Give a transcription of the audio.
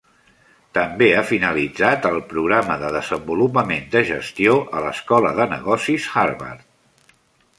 També ha finalitzat el programa de desenvolupament de gestió a l'escola de negocis Harvard.